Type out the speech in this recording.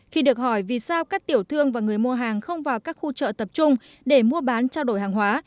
khi được hỏi vì sao các tiểu thương và người mua hàng không vào các khu chợ tập trung để mua bán trao đổi hàng hóa